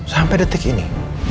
sampai detik ini